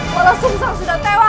walang sungsang sudah tewas